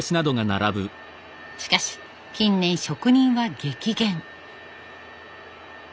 しかし近年職人は激減。